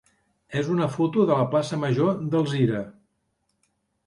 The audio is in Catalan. és una foto de la plaça major d'Alzira.